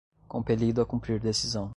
compelido a cumprir decisão